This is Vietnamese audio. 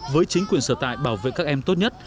với chính quyền sở tại bảo vệ các em tốt nhất